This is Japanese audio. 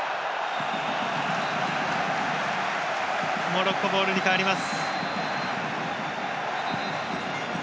モロッコボールに変わります。